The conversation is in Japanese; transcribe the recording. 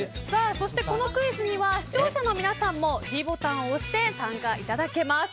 そして、このクイズには視聴者の皆さんもｄボタンを押して参加いただけます。